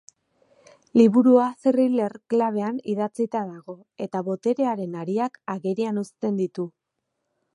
Liburua thriller klabean idatzita dago eta boterearen hariak agerian uzten ditu.